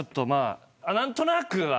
何となくは。